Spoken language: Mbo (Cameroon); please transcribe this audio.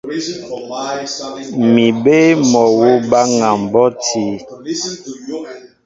Mi bé mol awǔ baŋa mbɔ́ti.